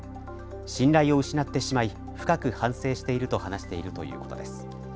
信頼を失ってしまい深く反省していると話しているということです。